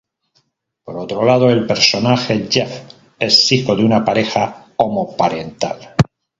Por otro lado, el personaje Jeff es hijo de una pareja homoparental.